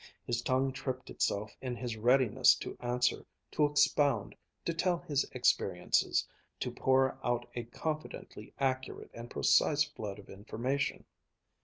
His tongue tripped itself in his readiness to answer, to expound, to tell his experiences, to pour out a confidently accurate and precise flood of information.